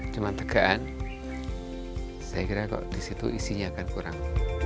cuma tegaan saya kira kok di situ isinya akan kurang